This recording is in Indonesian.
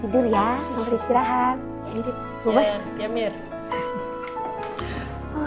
selamat tidur ya